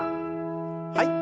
はい。